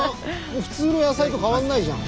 普通の野菜と変わんないじゃん！